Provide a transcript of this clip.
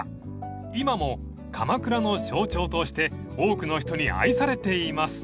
［今も鎌倉の象徴として多くの人に愛されています］